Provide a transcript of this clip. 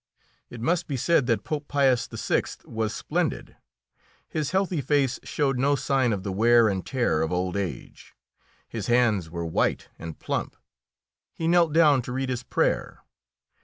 It must be said that Pope Pius VI. was splendid. His healthy face showed no sign of the wear and tear of old age. His hands were white and plump. He knelt down to read his prayer.